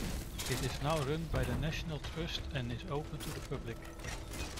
It is now run by the National Trust and is open to the public.